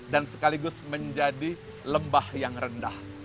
dan sekaligus menjadi lembah yang rendah